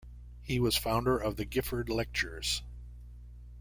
He was founder of the Gifford Lectures.